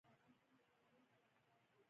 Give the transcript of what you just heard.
تعلیم نجونو ته د منطق ځواک ورکوي.